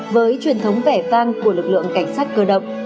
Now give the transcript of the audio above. với truyền thống vẻ vang của lực lượng cảnh sát cơ động